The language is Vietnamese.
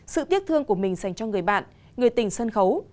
sự tiếc thương của mình dành cho người bạn người tình sân khấu